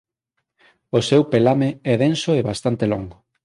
O seu pelame é denso e bastante longo.